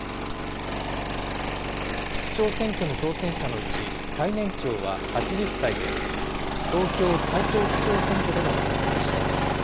市区長選挙の当選者のうち、最年長は８０歳で、東京・台東区長選挙での当選でした。